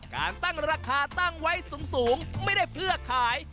การตั้งราคาตั้งไว้สูงไม่ได้เพื่อขาย